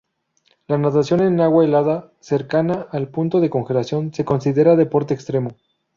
La natación en agua helada, cercana al punto de congelación, se considera deporte extremo.